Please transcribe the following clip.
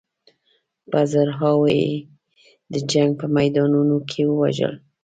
په زرهاوو یې د جنګ په میدانونو کې ووژل.